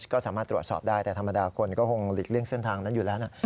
ก็สามารถตรวจสอบได้แต่ธรรมดาคนก็คงหลีกเลี่ยงเส้นทางนั้นอยู่แล้วนะ